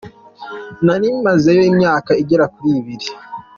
Nari mazeyo imyaka igera kuri ibiri.